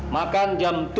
makan jam tujuh